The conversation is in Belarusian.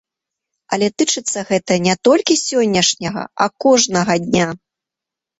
Але тычыцца гэта не толькі сённяшняга, а кожнага дня.